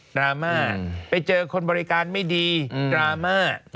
ราม่าไปเจอคนบริการไม่ดีดราม่า